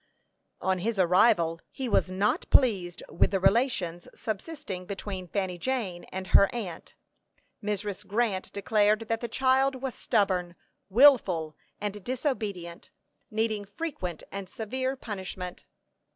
On his arrival he was not pleased with the relations subsisting between Fanny Jane and her aunt. Mrs. Grant declared that the child was stubborn, wilful, and disobedient, needing frequent and severe punishment.